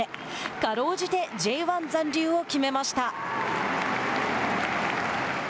かろうじてＪ１残留を決めました。